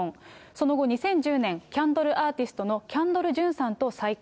その後、２０１０年、キャンドルアーティストのキャンドル・ジュンさんと再婚。